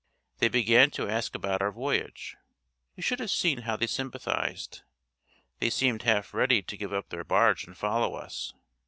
They began to ask about our voyage. You should have seen how they sympathised. They seemed half ready to give up their barge and follow us.